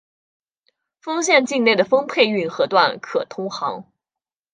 丰县境内的丰沛运河段可通航。